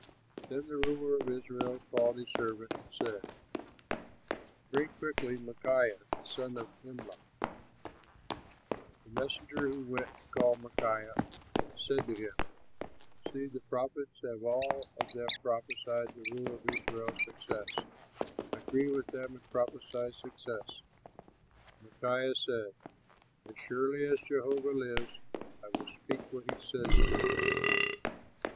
Then the ruler of Israel called a servant and said, "Bring quickly Micaiah, the son of Imlah." The messenger who went to call Micaiah said to him, "See, the prophets have all of them promised the ruler of Israel success. Agree with them, and prophesy success." But Micaiah said, "As surely as Jehovah lives, I will speak what he says to me."